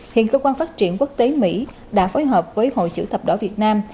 hiện cơ quan phát triển quốc tế mỹ đã phối hợp với hội chữ thập đỏ việt nam